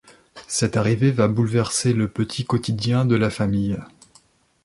Cette arrivée va bouleverser le petit quotidien de la famille.